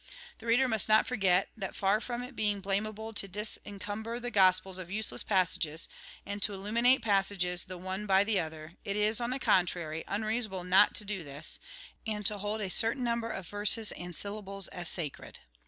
The reader must not forget that, far f/om it being blamable to disencumber the Gospels of useless passages, and to illuminate passages the one by the other, it is, on the contrary, unreasonable not to do this, and to hold a certain number of verses and syllables as sacred.